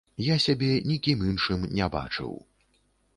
Я сябе нікім іншым не бачыў.